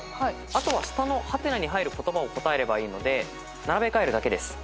あとは下の「？」に入る言葉を答えればいいので並べ替えるだけです。